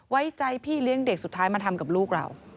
ไว้ใจพี่เลี้ยงเด็กสุดท้ายมาทำกับลูกเรา